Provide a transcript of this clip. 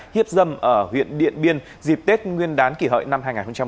hiếp dâm ở huyện điện biên dịp tết nguyên đán kỷ hợi năm hai nghìn một mươi chín